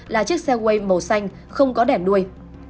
là chiếc xe quay màu xanh không có đẻn đuôi